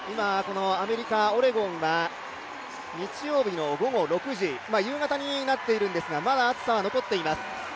アメリカ・オレゴンは日曜日の午後６時夕方になっているんですが、まだ暑さは残っています。